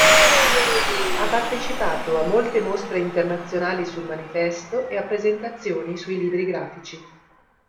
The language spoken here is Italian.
Ha partecipato a molte mostre internazionali sul manifesto e a presentazioni sui libri grafici.